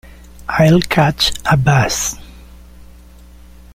I'll catch a bus.